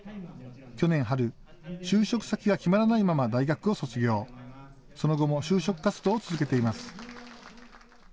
去年春、就職先が決まらないまま大学を卒業、その後も就職活動を続けています。